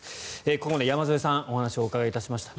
ここまで山添さんにお話をお伺いしました。